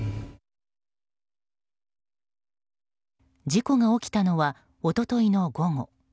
事故が起きたのは一昨日の午後。